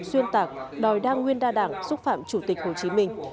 xuyên tạc đòi đa nguyên đa đảng xúc phạm chủ tịch hồ chí minh